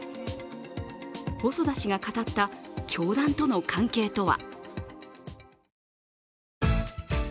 細田氏が語った教団との関係とは